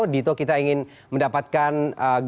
dito kita ingin mendapatkan